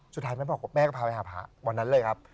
สุดท้ายแม่บอกแม่ก็พาไปหาพระวันนั้นเลยครับ